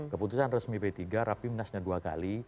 keputusan resmi p tiga rapimnasnya dua kali